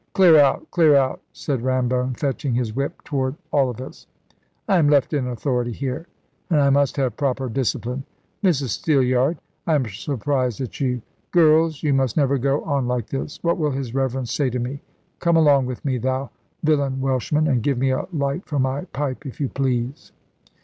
"Clear out, clear out," said Rambone, fetching his whip toward all of us; "I am left in authority here, and I must have proper discipline. Mrs Steelyard, I am surprised at you. Girls, you must never go on like this. What will his Reverence say to me? Come along with me, thou villain Welshman, and give me a light for my pipe, if you please."